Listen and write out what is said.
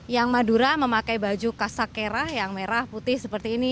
yang madura memakai baju khas sakera yang merah putih seperti ini